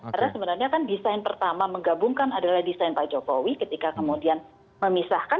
karena sebenarnya kan desain pertama menggabungkan adalah desain pak jokowi ketika kemudian memisahkan